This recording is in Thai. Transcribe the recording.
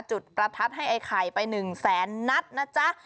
จุดประทัดให้ไอ้ไข่ไป๑แสนนัดนะจ๊ะ